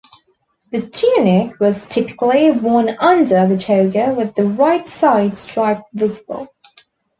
The tunic was typically worn under the toga with the right side stripe visible.